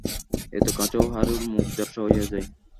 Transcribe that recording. এত কাছেও হারুর মুখ ঝাপসা হইয়া যায়।